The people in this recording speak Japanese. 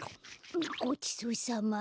ごちそうさま。